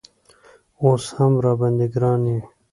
اوس هم راباندې ګران یې